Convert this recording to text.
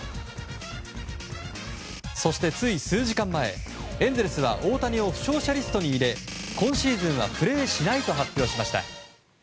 そして、つい数時間前エンゼルスは大谷を負傷者リストに入れ今シーズンはプレーしないと発表しました。